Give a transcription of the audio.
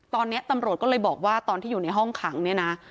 ตอนนี้ตำรวจก็เลยบอกว่าตอนที่อยู่ในห้องขังเนี่ยนะ